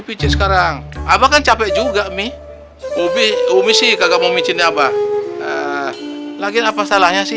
paku paku dicabutin dong